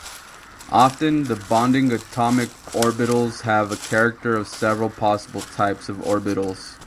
Often, the bonding atomic orbitals have a character of several possible types of orbitals.